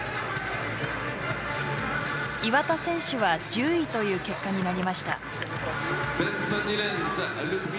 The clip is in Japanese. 岩田選手は１０位という結果になりました。